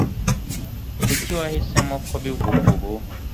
Kuki wahisemo kubivuga ubu